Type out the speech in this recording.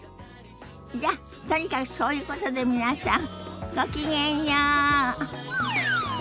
じゃとにかくそういうことで皆さんごきげんよう。